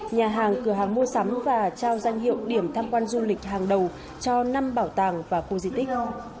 nhà hàng cửa hàng mua sắm và trao danh hiệu điểm tham quan du lịch hàng đầu cho năm bảo tàng và khu di tích